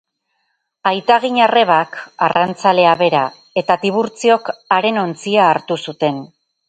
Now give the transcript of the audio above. Aitaginarrebak, arrantzalea bera, eta Tiburtziok haren ontzia hartu zuten.